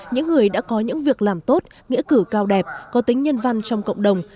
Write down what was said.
những người đã có những việc làm tốt nghĩa cử cao đẹp có tính nhân văn trong cộng đồng